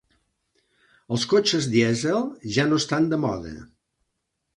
Els cotxes dièsel ja no estan de moda.